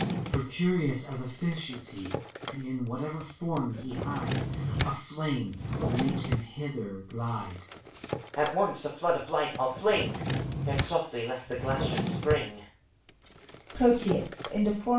For curious as a flsh is he ; 124 FAUST, And in whatever form he hide, A flame will make him hither glide. HOMUNCULUS. At once a flood of light I'll fling, Yet softly, lest the glass should spring.